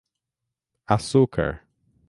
açúcar